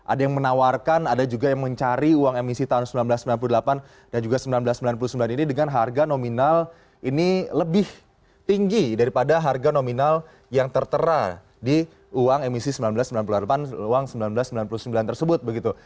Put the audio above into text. ada yang menawarkan ada juga yang mencari uang emisi tahun seribu sembilan ratus sembilan puluh delapan dan juga seribu sembilan ratus sembilan puluh sembilan ini dengan harga nominal ini lebih tinggi daripada harga nominal yang tertera di uang emisi seribu sembilan ratus delapan puluh sembilan tersebut begitu